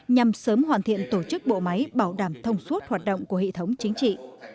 nhằm sớm hoàn thiện tổ chức bộ máy bảo đảm thông suốt hoạt động của hệ thống chính trị